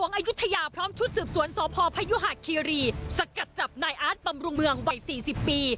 อายุทยาพร้อมชุดสืบสวนสพพยุหะคีรีสกัดจับนายอาร์ตบำรุงเมืองวัย๔๐ปี